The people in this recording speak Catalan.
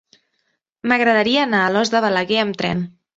M'agradaria anar a Alòs de Balaguer amb tren.